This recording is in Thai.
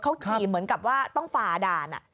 เขาขี่เหมือนกับว่าต้องฝ่าด่าน